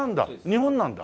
日本なんだ。